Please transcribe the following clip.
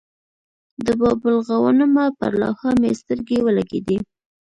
د باب الغوانمه پر لوحه مې سترګې ولګېدې.